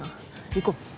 行こう。